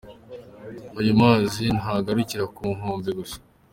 Ayo mazi ntagarukira ku nkombe gusa.